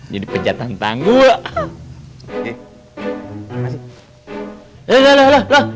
jadi pecatan tangguh